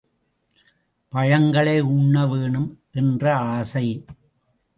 பழங்களை உண்ணவேனும் என்ற ஆசை.